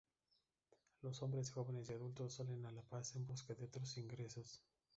Los hombres jóvenes y adultos salen a La Paz, en busca de otros ingresos.